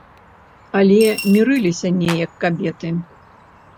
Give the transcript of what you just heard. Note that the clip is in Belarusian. Але мірыліся неяк кабеты.